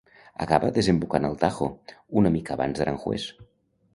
Acaba desembocant al Tajo una mica abans d'Aranjuez.